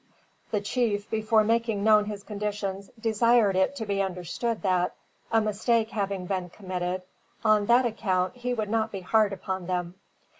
The chief, before making known his conditions, desired it to be understood that, a mistake having been committed, on that account he would not be hard upon them.